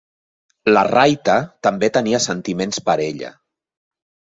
La Raita també tenia sentiments per ella.